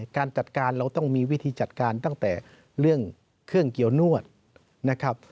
การจัดการเราต้องมีวิธีจัดการตั้งแต่เรื่องเครื่องเกี่ยวนวดนะครับ